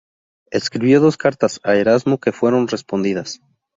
Escribió dos cartas a Erasmo que fueron respondidas.